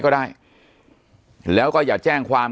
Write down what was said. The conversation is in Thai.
ปากกับภาคภูมิ